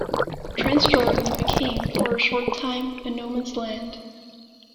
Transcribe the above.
Transjordan became, for a short time, a no man's land.